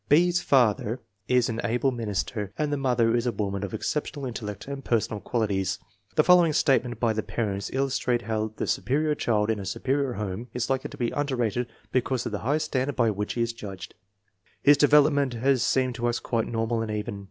B.'s father is an able minister, and the mother is a woman of exceptional intellect and personal qualities. The following statement by the parents illustrate how the superior child in a superior home is likely to be underrated because of the high standard by which he is judged: "His development has seemed to us quite normal and even.